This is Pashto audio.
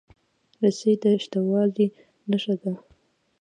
رسۍ د شته والي نښه ده.